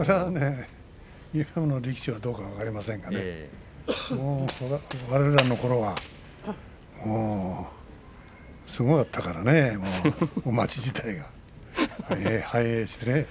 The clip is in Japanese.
今の力士はどうか知りませんがねその当時はすごかったからね町自体が、繁栄してね。